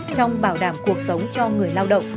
trong bảo đảm cuộc sống cho người lao động